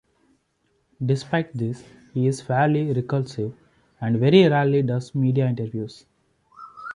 Despite this, he is fairly reclusive and very rarely does media interviews.